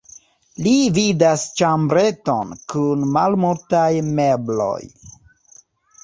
Li vidas ĉambreton kun malmultaj mebloj.